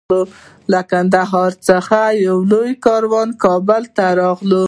له قندهار څخه یو لوی کاروان کابل ته راغی.